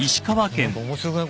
何か面白くない？